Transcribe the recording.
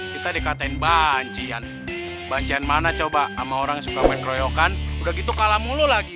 kita dikatain bancian bancian mana coba ama orang suka main kroyokan udah gitu kalah mulu lagi